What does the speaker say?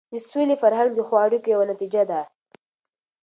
د سولې فرهنګ د ښو اړیکو یوه نتیجه ده.